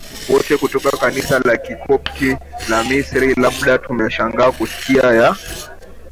wote kutoka Kanisa la Kikopti la Misri Labda tumeshangaa kusikia ya